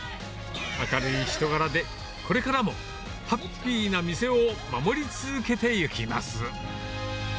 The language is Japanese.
明るい人柄で、これからも、ハッピーな店を守り続けてゆきます。